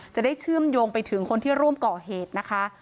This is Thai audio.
เชื่อมโยงไปถึงคนที่ร่วมก่อเหตุนะคะ